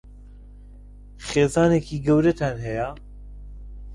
خێزانێکی گەورەتان هەیە؟